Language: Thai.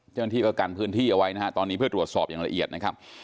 เจ้าหน้าที่ก็กันพื้นที่เอาไว้นะฮะตอนนี้เพื่อตรวจสอบอย่างละเอียดนะครับ